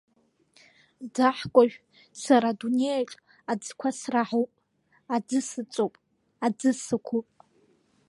Ӡаҳкәажә сара адунеиаҿ аӡқәа сраҳуп, аӡы сыҵоуп, аӡы сықәуп.